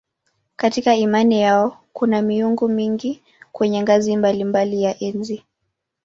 Katika imani yao kuna miungu mingi kwenye ngazi mbalimbali ya enzi.